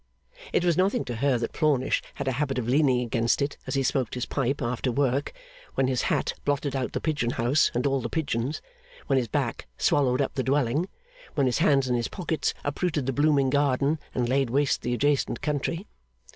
It was nothing to her that Plornish had a habit of leaning against it as he smoked his pipe after work, when his hat blotted out the pigeon house and all the pigeons, when his back swallowed up the dwelling, when his hands in his pockets uprooted the blooming garden and laid waste the adjacent country.